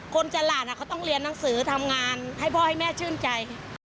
ตลาดเขาต้องเรียนหนังสือทำงานให้พ่อให้แม่ชื่นใจ